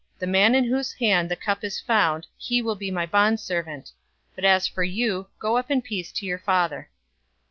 The man in whose hand the cup is found, he will be my bondservant; but as for you, go up in peace to your father."